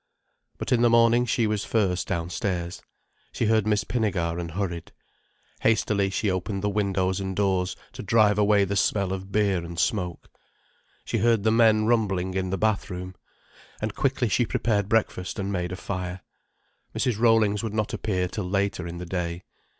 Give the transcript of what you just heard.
But in the morning she was first downstairs. She heard Miss Pinnegar, and hurried. Hastily she opened the windows and doors to drive away the smell of beer and smoke. She heard the men rumbling in the bath room. And quickly she prepared breakfast and made a fire. Mrs. Rollings would not appear till later in the day.